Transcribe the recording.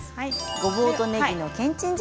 ごぼうとねぎのけんちん汁